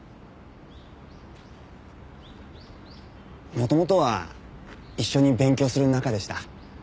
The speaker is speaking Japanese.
元々は一緒に勉強する仲でした。